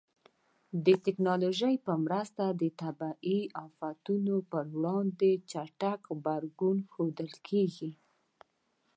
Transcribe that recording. د ټکنالوژۍ په مرسته د طبیعي آفاتونو پر وړاندې چټک غبرګون ښودل کېږي.